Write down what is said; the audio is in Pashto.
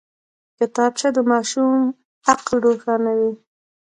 کتابچه د ماشوم عقل روښانوي